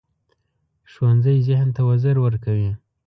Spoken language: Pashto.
ښوونځی ذهن ته وزر ورکوي